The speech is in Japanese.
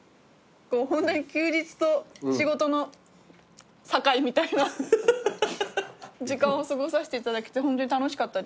ホントに休日と仕事の境みたいな時間を過ごさせていただけてホントに楽しかったです。